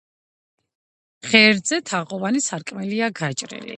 ღერძზე თაღოვანი სარკმელია გაჭრილი.